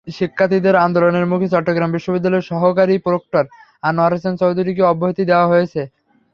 শিক্ষার্থীদের আন্দোলনের মুখে চট্টগ্রাম বিশ্ববিদ্যালয়ের সহকারী প্রক্টর আনোয়ার হোসেন চৌধুরীকে অব্যাহতি দেওয়া হয়েছে।